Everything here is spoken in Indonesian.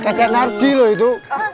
kasih energi loh itu